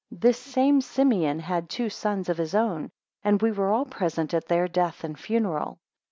16 This same Simeon had two sons of his own, and we were all present at their death and funeral.